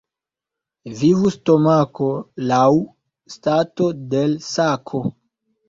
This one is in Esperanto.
Vivu stomako laŭ stato de l' sako.